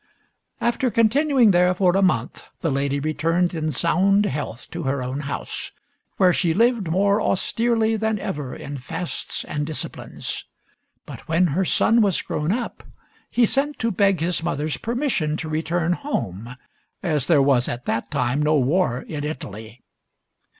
After continuing there for a month, the lady returned in sound health to her own house, where she lived more austerely than ever in fasts and disciplines. But when her son was grown up, he sent to beg his mother's permission to return home, as there was at that time no war in Italy.